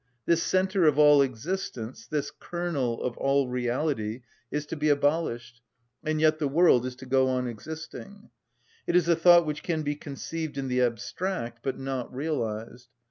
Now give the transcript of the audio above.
This centre of all existence, this kernel of all reality, is to be abolished, and yet the world is to go on existing; it is a thought which can be conceived in the abstract, but not realised.